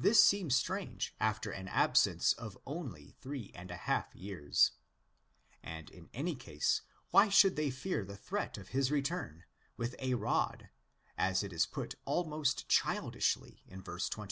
Thisseems strange after an absence of only three years and a half. And in any case why THE FIRST EPISTLE 171 should they fear the threat of his return—'' with ἃ rod," as it is put almost childishly in verse 21?